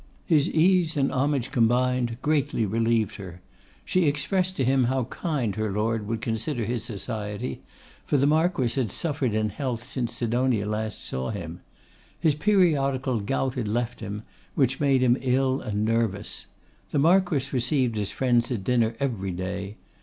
His ease and homage combined greatly relieved her. She expressed to him how kind her Lord would consider his society, for the Marquess had suffered in health since Sidonia last saw him. His periodical gout had left him, which made him ill and nervous. The Marquess received his friends at dinner every day.